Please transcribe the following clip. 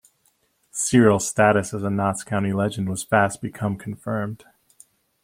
Sirrel's status as a Notts County legend was fast become confirmed.